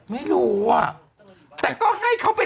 ไม่รู้อ่ะแต่ก็ให้เขาไป